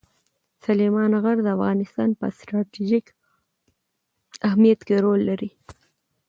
سلیمان غر د افغانستان په ستراتیژیک اهمیت کې رول لري.